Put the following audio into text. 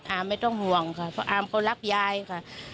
ไม่ต้องห่วงค่ะเพราะอามเขารักยายค่ะ